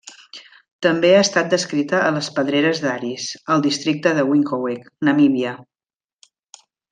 També ha estat descrita a les pedreres d'Aris, al districte de Windhoek, Namíbia.